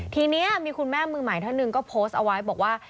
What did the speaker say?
ทีนี้มีคุณแม่มือใหม่ท่านหนึ่งก็โพสต์เอาไว้บอกว่า